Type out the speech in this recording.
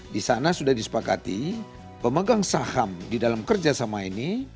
di sana sudah disepakati pemegang saham di dalam kerjasama ini